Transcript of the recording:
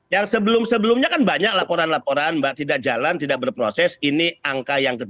yang sebelum sebelumnya kan banyak laporan laporan mbak tidak jalan tidak berproses ini angka yang kecil